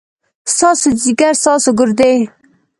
ستاسو ځيګر ، ستاسو ګردې ،